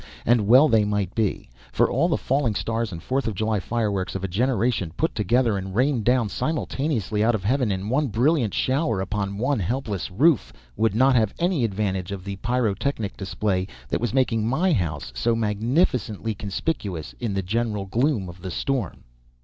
And well they might be, for all the falling stars and Fourth of July fireworks of a generation, put together and rained down simultaneously out of heaven in one brilliant shower upon one helpless roof, would not have any advantage of the pyrotechnic display that was making my house so magnificently conspicuous in the general gloom of the storm.